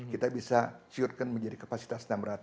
kita bisa curekan menjadi kapasitas enam ratus